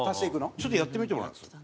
ちょっとやってみてもらえます？